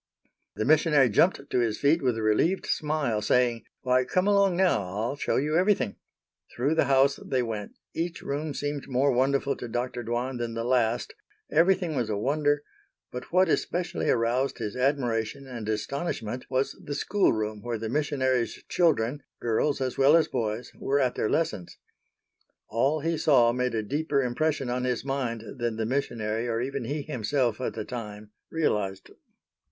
The missionary jumped to his feet with a relieved smile saying, "Why, come along now. I'll show you everything." Through the house they went; each room seemed more wonderful to Dr. Dwan than the last, everything was a wonder, but what especially aroused his admiration and astonishment was the school room where the missionaries' children—girls as well as boys—were at their lessons. All he saw made a deeper impression on his mind than the missionary or even he himself at the time realized.